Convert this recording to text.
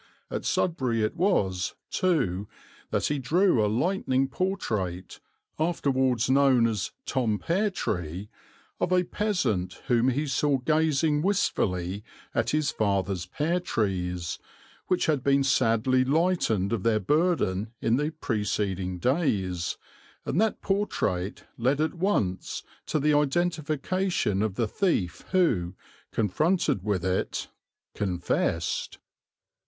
At Sudbury it was, too, that he drew a lightning portrait, afterwards known as "Tom Peartree," of a peasant whom he saw gazing wistfully at his father's pear trees, which had been sadly lightened of their burden in the preceding days, and that portrait led at once to the identification of the thief who, confronted with it, confessed.